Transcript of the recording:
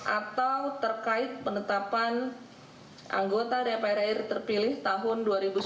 atau terkait penetapan anggota dprr terpilih tahun dua ribu sembilan belas dua ribu dua puluh empat